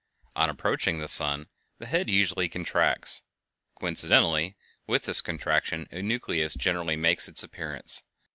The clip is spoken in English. On approaching the sun the head usually contracts. Coincidently with this contraction a nucleus generally makes its appearance.